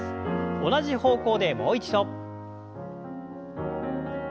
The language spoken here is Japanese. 同じ方向でもう一度。